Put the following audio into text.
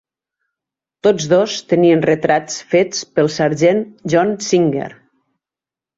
Tots dos tenien retrats fets pel sergent John Singer.